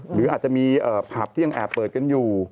หรืออาจจะมีผับที่ยังแอบเปิดกันอยู่